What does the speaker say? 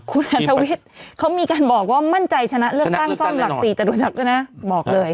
คุณอัทวิทย์เขามีการบอกว่ามั่นใจชนะเลือกตั้งซ่อมหลัก๔แต่รู้จักใช่ไหมบอกเลย